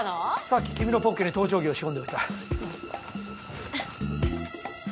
さっき君のポッケに盗聴器を仕込んでおいた。